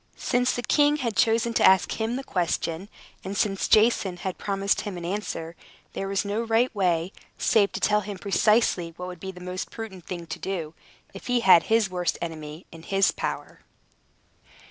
Since the king had chosen to ask him the question, and since Jason had promised him an answer, there was no right way save to tell him precisely what would be the most prudent thing to do, if he had his worst enemy in his power.